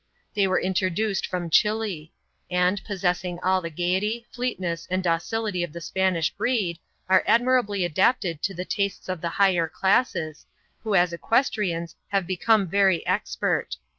They were introduced from Chili ; and, possessing all the gaiety, fleetness, and docility of the Spanish breed, are admirably adapted to the tastes of the higher classes, who as equestrians have become very expert.